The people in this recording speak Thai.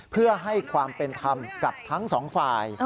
เพื่อให้ความเป็นธรรมกับทั้งสองฝ่าย